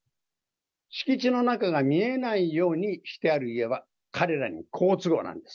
敷地の中が見えないようにしてある家は、彼らに好都合なんです。